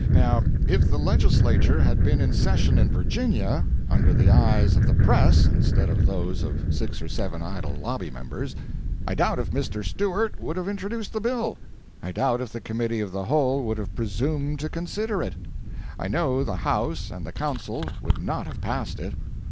Now, if the Legislature had been in session in Virginia, under the eyes of the press, instead of those of six or seven idle lobby members, I doubt if Mr. Stewart would have introduced the bill; I doubt if the Committee of the Whole would have presumed to consider it; I know the House and the Council would not have passed it.